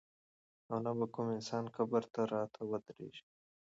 او نه به کوم انسان قبر ته راته ودرېږي.